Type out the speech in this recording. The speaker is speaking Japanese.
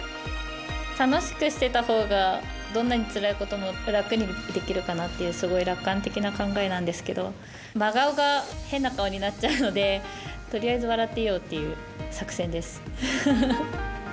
楽しくしていたほうがどんなにつらいことも楽にできるかなっていうすごい楽観的な考えなんですけど真顔が変な顔になっちゃうのでとりあえず、笑っていようという作戦です。